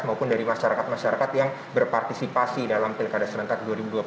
maupun dari masyarakat masyarakat yang berpartisipasi dalam pilkada serentak dua ribu dua puluh